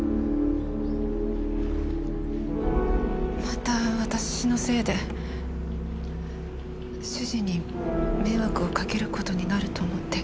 また私のせいで主人に迷惑をかける事になると思って。